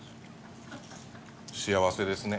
幸せですね。